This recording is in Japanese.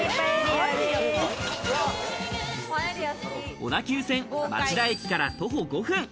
小田急線町田駅から徒歩５分。